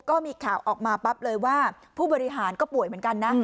ก็มีข่าวออกมาปั๊บเลยว่าผู้บริหารก็ป่วยเหมือนกันนะ